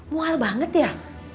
mual banget ya